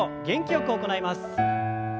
元気よく行います。